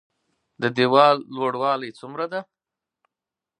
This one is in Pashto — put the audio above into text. د ديوال لوړوالی څومره ده؟